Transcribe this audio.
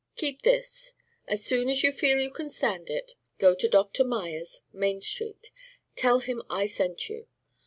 Keep this. As soon as you feel you can stand it, go to Dr. Meyers, Main Street. Tell him I sent you.